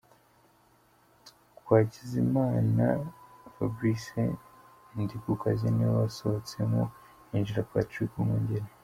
Twagizimana Fabrice Ndikukazi niwe wasohotsemo hinjira Patrick Umwungeri.